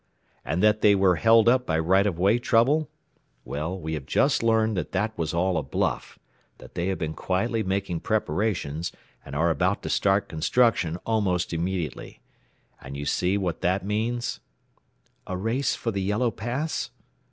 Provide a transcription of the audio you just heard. And that they were held up by right of way trouble? Well, we have just learned that that was all a bluff; that they have been quietly making preparations, and are about to start construction almost immediately. And you see what that means?" "A race for the Yellow pass?"